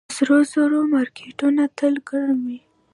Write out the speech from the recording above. د سرو زرو مارکیټونه تل ګرم وي